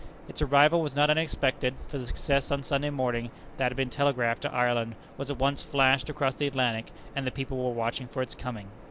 Its arrival was not unexpected, for the success on Sunday morning, that had been telegraphed to Ireland, was at once flashed across the Atlantic, and the people were watching for its coming.